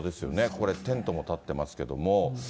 これ、テントもたってますけれども。